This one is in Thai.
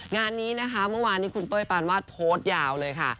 งานนี้นะคะเมื่อวานนี้คุณเป้ยปานวาดโพสต์ยาวเลยค่ะ